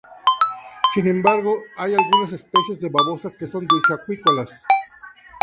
Sin embargo, hay algunas especies de babosas que son dulceacuícolas.